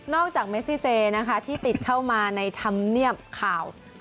นอกจากเมซิเจที่ติดเข้ามาในธรรมเนียมข่าว